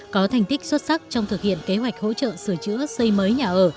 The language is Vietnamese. có thành tích xuất sắc trong thực hiện kế hoạch hỗ trợ sửa chữa xây mới nhà ở